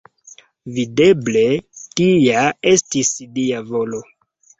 Videble, tia estis Dia volo.